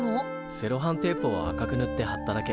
セロハンテープを赤くぬってはっただけ。